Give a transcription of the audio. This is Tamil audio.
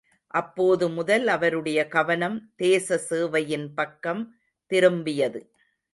அப்போது முதல் அவருடைய கவனம் தேச சேவையின் பக்கம் திரும்பியது.